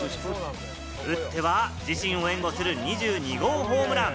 打っては自身を援護する２２号ホームラン。